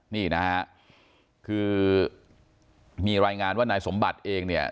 นี่นะฮะคือมีรายงานว่านายสมบัติเองเนี่ย